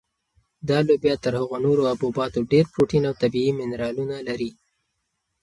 دا لوبیا تر هغو نورو حبوباتو ډېر پروټین او طبیعي منرالونه لري.